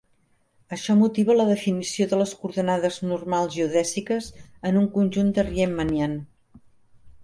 Això motiva la definició de les coordenades normals geodèsiques en un conjunt de Riemannian.